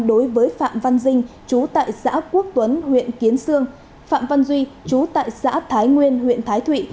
đối với phạm văn dinh chú tại xã quốc tuấn huyện kiến sương phạm văn duy chú tại xã thái nguyên huyện thái thụy